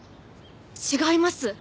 違います。